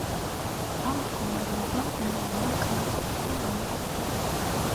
ამ მდგომარეობამ დანიელა კალაპოტიდან ამოაგდო.